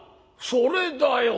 それだよ。